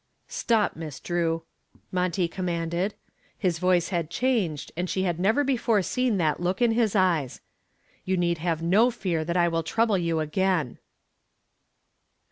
"Stop, Miss Drew," Monty commanded. His voice had changed and she had never before seen that look in his eyes. "You need have no fear that I will trouble you again."